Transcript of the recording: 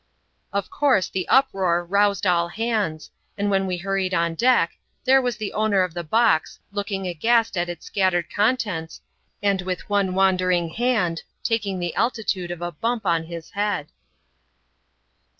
Of course the uproar roused all hands, and when we hurried on deck, there was the owner of the box, looking aghast at its scattered contents, and with one wandering hand taking the altitude of a bump on his head.